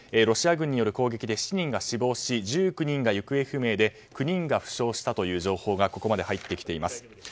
ロシア軍による攻撃で７人が死亡し１９人が行方不明が９人が負傷したという情報がここまで入ってきています。